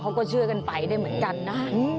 เขาก็เชื่อกันไปได้เหมือนกันนะ